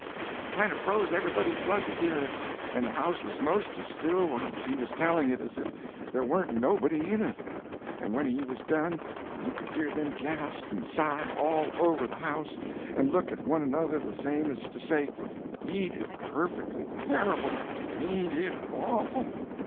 It kind of froze everybody's blood to hear it, and the house was 'most as still whilst he was telling it as if there warn't nobody in it. And when he was done, you could hear them gasp and sigh, all over the house, and look at one another the same as to say, "Ain't it perfectly terrible—ain't it awful!"